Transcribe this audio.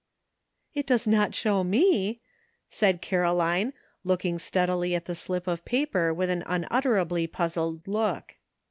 " It does not show me,'* said Caroline, look ing steadily at the slip of paper with an un utterably puzzled look.